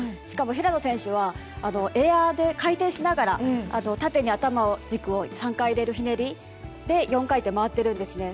しかも平野選手はエアで回転しながら縦に頭軸を３回入れるひねりで４回転回っているんです。